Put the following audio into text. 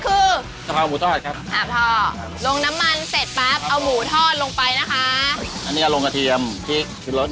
คือกะเพราหมูทอดครับค่ะพ่อลงน้ำมันเสร็จปั๊บเอาหมูทอดลงไปนะคะอันนี้ก็ลงกระเทียมพริกขึ้นรส